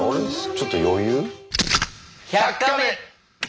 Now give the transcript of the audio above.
ちょっと余裕？